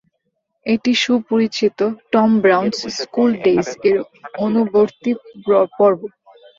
এটি সুপরিচিত "Tom Brown's school ডেজ"-এর অনুবর্তী পর্ব।